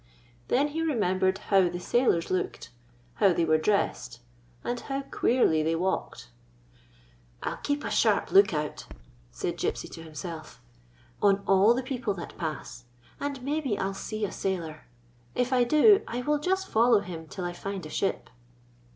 Then he remembered how the sailors looked, how they were dressed, and how queerly they walked. " I 'll keep a sharp lookout," said Gypsy to 123 GYPSY, THE TALKING DOG himself, "on all the people that £>ass, and maybe I 'll see a sailor. If I do, I will just follow him till I find a ship.